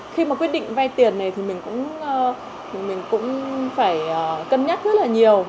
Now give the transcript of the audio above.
khi mà quyết định vay tiền này thì mình cũng phải cân nhắc rất là nhiều